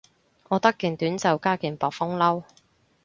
我得件短袖加件薄風褸